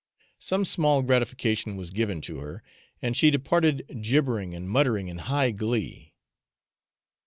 Some small gratification was given to her, and she departed gibbering and muttering in high glee.